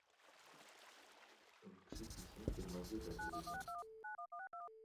Τον ξύπνησε και μαζί κατέβηκαν.